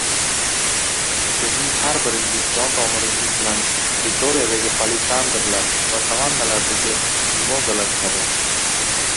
Sizning har biringiz jon tomiringiz bilan Pretoriyadagi palisandrlar va savannalardagi mimozalar kabi